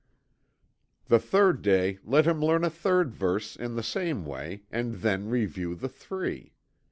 The third day let him learn a third verse, in the same way and then review the three.